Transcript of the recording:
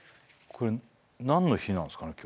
これ何の日なんすかね？